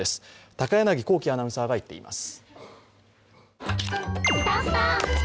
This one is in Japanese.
高柳光希アナウンサーが行っています。